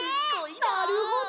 なるほど！